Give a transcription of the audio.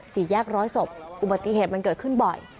สี่แยกร้อยศพอุบัติเหตุมันเกิดขึ้นบ่อย